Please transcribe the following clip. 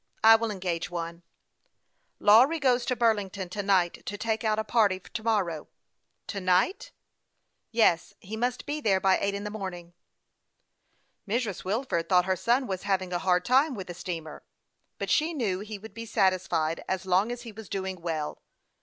I will engage one." " Lawry goes to Burlington to night to take out a party to morrow." " To night ?"" Yes ; he must be there by eight in the morning." Mrs. Wilford thought her son was having a hard time with the steamer ; but she knew he would be satisfied as long as he was doing well. Mr.